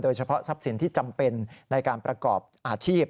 เฉพาะทรัพย์สินที่จำเป็นในการประกอบอาชีพ